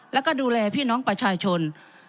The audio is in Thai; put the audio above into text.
แล้วก็ดูแลพี่น้องประชาชน